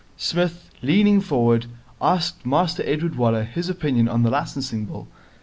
Psmith, leaning forward, asked Master Edward Waller his opinion on the Licensing Bill.